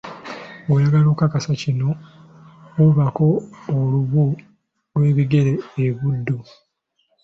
Ng'oyagala okukakasa kino, wuubako olubu lwebigere e Buddu.